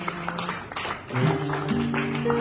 ดีจริง